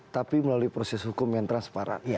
tapi melalui proses hukum yang transparan